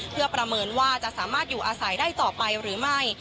เพื่อประเมินว่าจะสามารถอยู่อาศัยได้ต่อไปหรือไม่